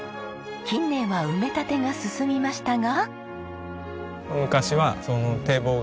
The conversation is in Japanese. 近年は埋め立てが進みましたが。